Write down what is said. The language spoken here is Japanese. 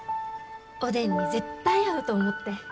おでんに絶対合うと思って。